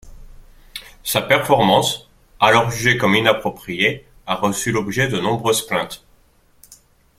Sa performance, alors jugée comme inappropriée a reçu l'objet de nombreuses plaintes.